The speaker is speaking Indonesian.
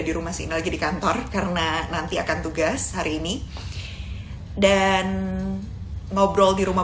di rumah sini lagi di kantor karena nanti akan tugas hari ini dan ngobrol di rumah